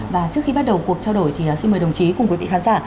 và trước khi bắt đầu cuộc trao đổi thì xin mời đồng chí cùng quý vị khán giả